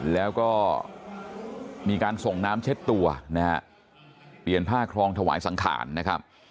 แล้วก็มีการส่งน้ำเช็ดตัวนะฮะเปลี่ยนผ้าครองถวายสังขารนะครับ